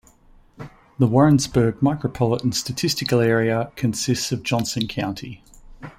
The Warrensburg Micropolitan Statistical Area consists of Johnson County.